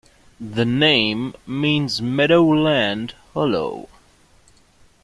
The name means meadowland hollow.